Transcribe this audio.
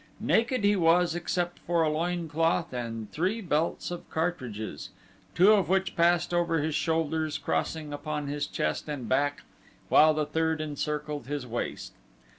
Naked he was except for a loin cloth and three belts of cartridges, two of which passed over his shoulders, crossing upon his chest and back, while the third encircled his waist.